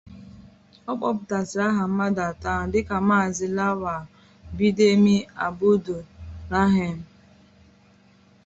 Ọ kpọpụtàsịrị aha mmadụ atọ ahụ dịka Maazị Lawal Bidemi AbdulRaheem